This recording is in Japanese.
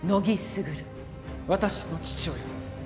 私の父親です